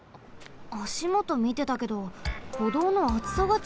あしもとみてたけどほどうのあつさがちがうの？